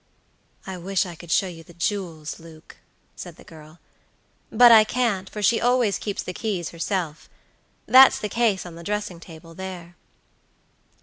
"I wish I could show you the jewels, Luke," said the girl; "but I can't, for she always keeps the keys herself; that's the case on the dressing table there."